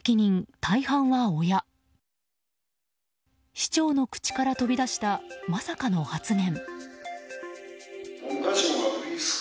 市長の口から飛び出したまさかの発言。